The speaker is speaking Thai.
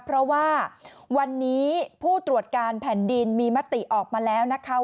เพราะว่าวันนี้ผู้ตรวจการแผ่นดินมีมติออกมาแล้วนะคะ